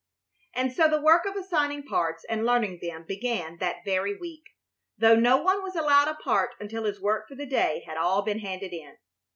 And so the work of assigning parts and learning them began that very week, though no one was allowed a part until his work for the day had all been handed in.